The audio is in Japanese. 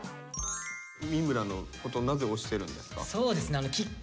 三村のことなぜ推してるんですか？